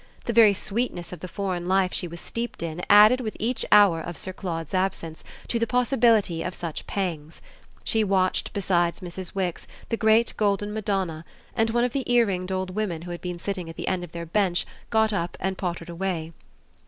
The very sweetness of the foreign life she was steeped in added with each hour of Sir Claude's absence to the possibility of such pangs. She watched beside Mrs. Wix the great golden Madonna, and one of the ear ringed old women who had been sitting at the end of their bench got up and pottered away.